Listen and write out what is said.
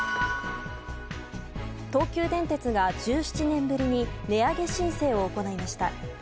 東急電鉄が１７年ぶりに値上げ申請を行いました。